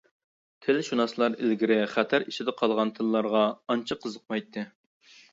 تىلشۇناسلار ئىلگىرى خەتەر ئىچىدە قالغان تىللارغا ئانچە قىزىقمايتتى.